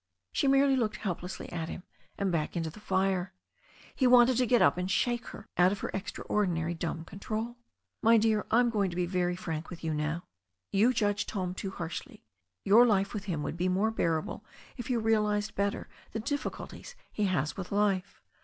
She merely looked helplessly at him and back into the fire. He wanted to get up and shake her out of her ex traordinary dumb control. "My dear, I'm going to be very frank with you now. You THE STORY OF A NEW ZEALAND RIVER 201 judge Tom too harshly. Your life with him would be more bearable if you realized better the difficulties he has with life.